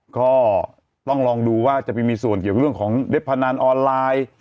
ก็ต้องลองดูว่าจะไปมีส่วนเกี่ยวเรื่องของเว็บพนันออนไลน์